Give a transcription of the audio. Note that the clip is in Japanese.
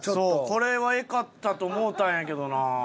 これは良かったと思うたんやけどな。